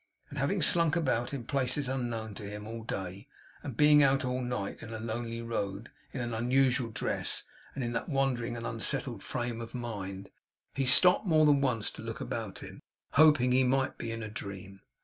And having slunk about, in places unknown to him all day; and being out at night, in a lonely road, in an unusual dress and in that wandering and unsettled frame of mind; he stopped more than once to look about him, hoping he might be in a dream.